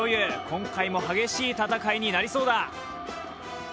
今回も激しい戦いになりそうだ。